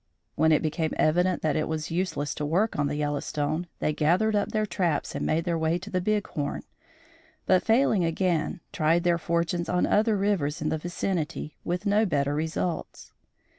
When it became evident that it was useless to work on the Yellowstone, they gathered up their traps and made their way to the Big Horn, but, failing again, tried their fortunes on other rivers in that vicinity with no better results.